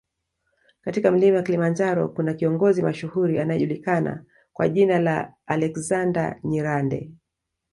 katika mlima Kilimanjaro kuna kiongozi mashuhuri anayejulikana kwa jina la Alexander Nyirande